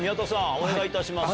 お願いいたします。